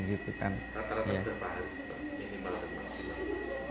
rata rata berapa hari sebab minimal atau maksimal